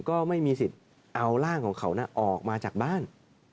เอาสิทธิ์อะไรไปเอาร่างของเขาออกมาจากบ้าน